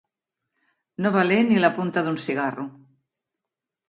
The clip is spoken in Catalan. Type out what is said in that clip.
No valer ni la punta d'un cigarro.